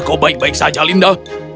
kau baik baik saja linda